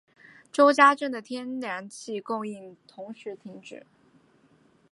周家镇的天然气供应同时停止。